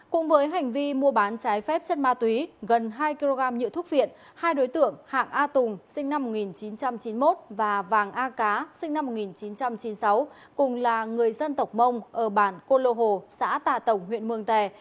cùng với hành vi mua bán trái phép chất ma túy gần hai kg nhựa thuốc viện hai đối tượng hạng a tùng sinh năm một nghìn chín trăm chín mươi một và vàng a cá sinh năm một nghìn chín trăm chín mươi sáu cùng là người dân tộc mông ở bản cô lô xã tà tổng huyện mường tè